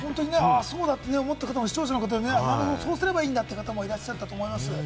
そうだって、視聴者の方もね、そうすればいいんだって方もいらっしゃったと思います。